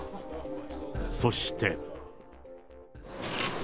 そして。